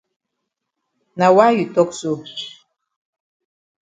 Na why you tok so?